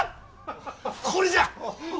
これじゃ！